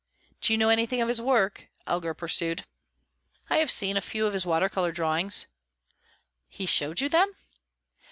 "Do you know anything of his work?" Elgar pursued. "I have seen a few of his water colour drawings." "He showed you them?"